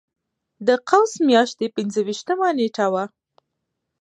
د قوس میاشتې پنځه ویشتمه نېټه وه.